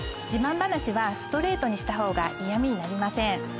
自慢話はストレートにしたほうが嫌みになりません。